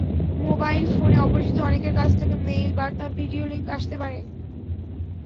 Mobile ফোনে অপরিচিত অনেকের কাছ থেকে মেইল, বার্তা, ভিডিও লিংক আসতে পারে।